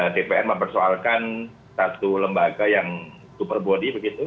dpr mempersoalkan satu lembaga yang super body begitu